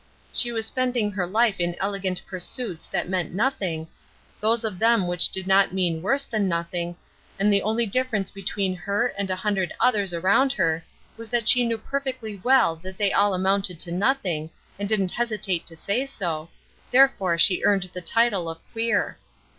She was spending her life in elegant pursuits that meant nothing, those of them which did not mean worse than nothing, and the only difference between her and a hundred others around her was that she knew perfectly well that they all amounted to nothing, and didn't hesitate to say so, therefore she earned the title of "queer."